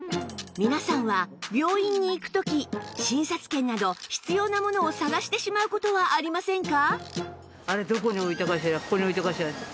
皆さんは病院に行く時診察券など必要なものを探してしまう事はありませんか？